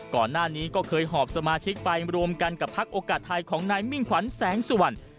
ก่อนหน้านี้ก็เคยหอบสมาชิกไปรวมกันกับพักโอกาสไทยของนายมิ่งขวัญแสงสุวรรณ